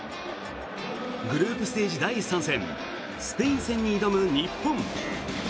グループステージ第３戦スペイン戦に挑む日本。